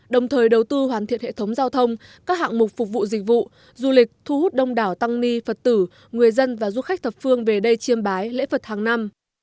đồng thời đầu tư hoàn thiện hệ thống giao thông các hạng mục phục vụ dịch vụ du lịch thu hút đông đảo tăng ni phật tử người dân và du khách thập phương về đây chiêm bái lễ phật hàng năm